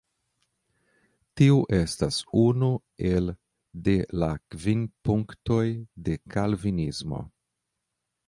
Tiu estas unu el de la Kvin punktoj de Kalvinismo.